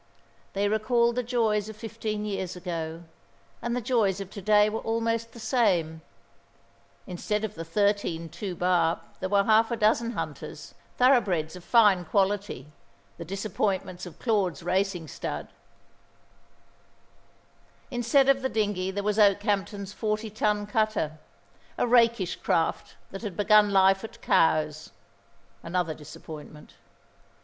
They recalled the joys of fifteen years ago; and the joys of to day were almost the same. Instead of the thirteen two barb there were half a dozen hunters thoroughbreds of fine quality, the disappointments of Claude's racing stud instead of the dinghy there was Okehampton's forty ton cutter, a rakish craft that had begun life at Cowes, another disappointment.